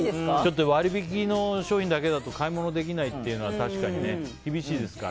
割引きの商品だけだと買い物できないっていうのは確かに厳しいですから。